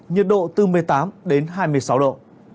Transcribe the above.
nhiệt độ bốn mươi tám hai mươi sáu độ